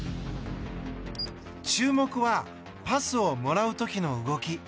注目は、パスをもらう時の動き。